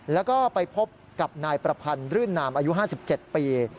แล้วก็ไปพบกับนายประพันธ์รื่นนามอายุ๕๗ปี